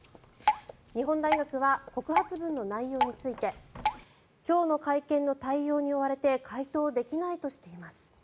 日本大学は告発文の内容について今日の会見の対応に追われて回答できないとしています。